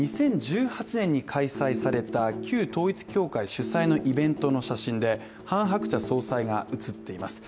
２０１８年に開催された旧統一教会主催のイベントの写真でハン・ハクチャ総裁が写っています。